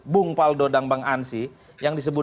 bung paldo dan bang ansi yang disebut